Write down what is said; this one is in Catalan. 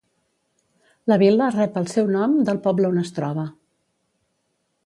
La vil·la rep el seu nom del poble on es troba.